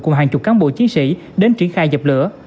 cùng hàng chục cán bộ chiến sĩ đến triển khai dập lửa